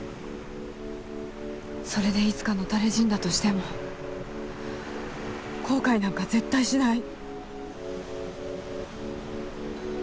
それでいつか野たれ死んだとしても後悔なんか絶対しない。